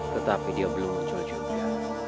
tetapi dia belum muncul juga